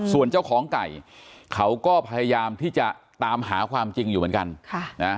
ส่วนเจ้าของไก่เขาก็พยายามที่จะตามหาความจริงอยู่เหมือนกัน